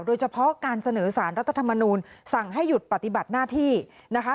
โดยเฉพาะการเสนอสารรัฐธรรมนูลสั่งให้หยุดปฏิบัติหน้าที่นะคะ